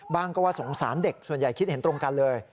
ก็ว่าสงสารเด็กส่วนใหญ่คิดเห็นตรงกันเลย